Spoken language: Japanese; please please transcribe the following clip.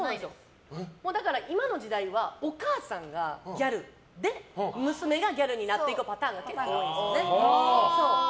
今の時代はお母さんがギャルで娘がギャルになっていくパターンが結構多いです。